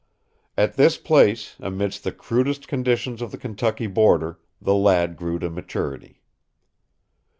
At this place, amidst the crudest conditions of the Kentucky border, the lad grew to maturity.